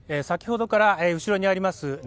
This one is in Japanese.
先ほどから、後ろにあります